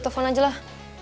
telepon aja lah